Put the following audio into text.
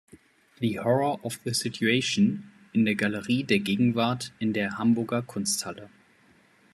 The Horror of the Situation" in der Galerie der Gegenwart in der Hamburger Kunsthalle.